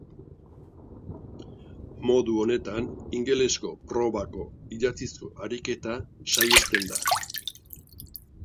Modu honetan, ingeles probako idatzizko ariketa saihesten da.